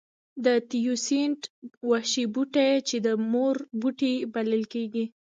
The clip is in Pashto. د تیوسینټ وحشي بوټی چې مور بوټی بلل کېږي.